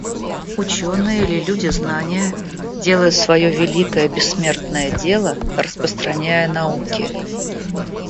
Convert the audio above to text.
Ученые или люди знания делают свое великое бессмертное дело, распространяя науки.